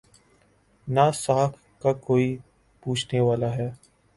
نہ ساکھ کا کوئی پوچھنے والا ہے۔